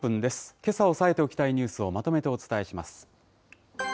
けさ押さえておきたいニュースをまとめてお伝えします。